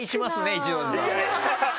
一ノ瀬さん。